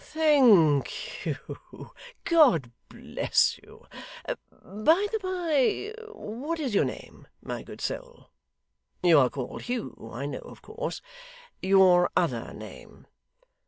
'Thank you. God bless you. By the bye, what is your name, my good soul? You are called Hugh, I know, of course your other name?